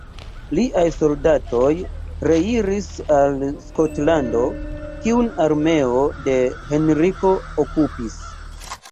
Liaj soldatoj reiris al Skotlando, kiun armeo de Henriko okupis.